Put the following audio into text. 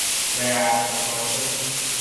May I ask a question?